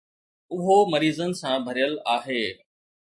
اهو مريضن سان ڀريل آهي.